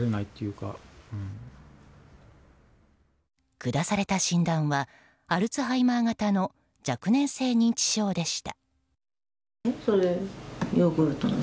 下された診断はアルツハイマー型の若年性認知症でした。